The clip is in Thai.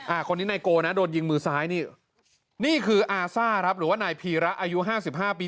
คนนี้นายโกนะโดนยิงมือซ้ายนี่นี่คืออาซ่าครับหรือว่านายพีระอายุห้าสิบห้าปี